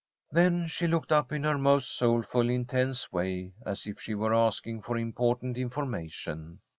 Then she looked up in her most soulful, intense way, as if she were asking for important information.